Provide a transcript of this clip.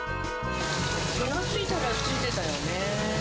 気が付いたら付いてたよね。